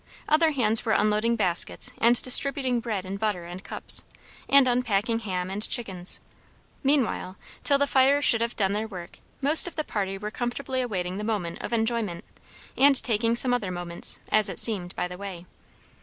Other hands were unloading baskets and distributing bread and butter and cups, and unpacking ham and chickens. Meanwhile, till the fires should have done their work, most of the party were comfortably awaiting the moment of enjoyment, and taking some other moments, as it seemed, by the way.